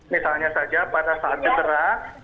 misalnya saja pada saat cedera